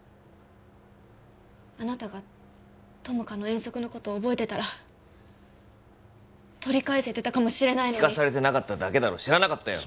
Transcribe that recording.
あなたが友果の遠足のこと覚えてたら取り返せてたかもしれないのに聞かされてなかっただけだろ知らなかったよ